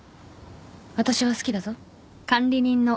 私は好きだぞ。